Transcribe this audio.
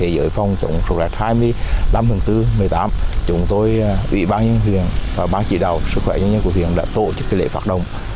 với phòng chống sốt z hai mươi năm tháng bốn một mươi tám chúng tôi ủy ban nhân viên và ban chỉ đạo sức khỏe nhân viên của huyện đã tổ chức lễ phạt động